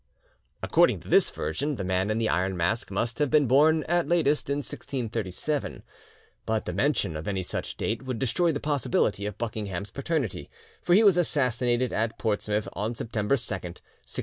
According to this version, the Man in the Iron Mask must have been born at latest in 1637, but the mention of any such date would destroy the possibility of Buckingham's paternity; for he was assassinated at Portsmouth on September 2nd, 1628.